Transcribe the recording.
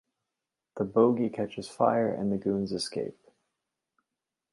The bogie catches fire and the goons escape.